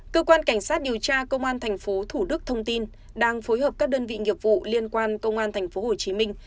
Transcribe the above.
cơ quan cảnh sát điều tra công an thành phố thủ đức thông tin đang phối hợp các đơn vị nghiệp vụ liên quan công an thành phố hồ chí minh